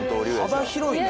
幅広いね。